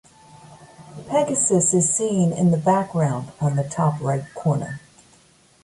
Pegasus is seen in the background on the top right corner.